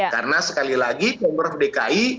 karena sekali lagi pembroke dki